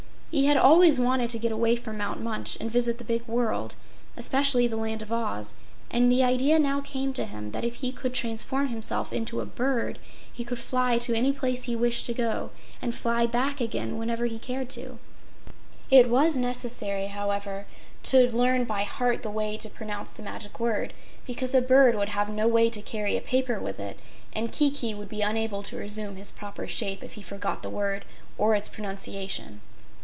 He had always wanted to get away from Mount Munch and visit the big world especially the Land of Oz and the idea now came to him that if he could transform himself into a bird, he could fly to any place he wished to go and fly back again whenever he cared to. It was necessary, however, to learn by heart the way to pronounce the magic word, because a bird would have no way to carry a paper with it, and Kiki would be unable to resume his proper shape if he forgot the word or its pronunciation.